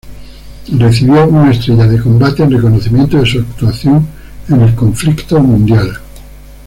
Recibió una estrella de combate en reconocimiento de su actuación en el conflicto mundial.